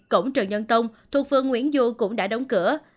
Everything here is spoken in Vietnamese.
cổng trần nhân tông thuộc phường nguyễn du cũng đã đóng cửa